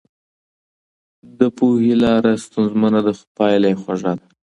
د پوهي لاره ستونزمنه ده خو پايله يې خوږه ده.